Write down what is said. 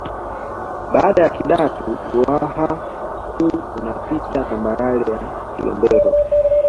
Baada ya Kidatu Ruaha Mkuu unapita tambarare ya Kilombero